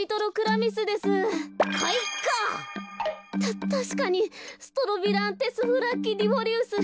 たたしかにストロビランテスフラッキディフォリウス。